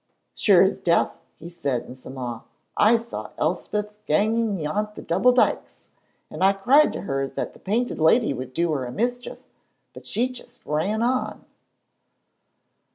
"Sure as death," he said in some awe, "I saw Elspeth ganging yont the double dykes, and I cried to her that the Painted Lady would do her a mischief, but she just ran on."